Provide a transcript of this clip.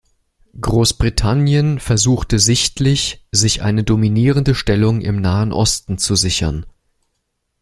Großbritannien versuchte sichtlich, sich eine dominierende Stellung im Nahen Osten zu sichern.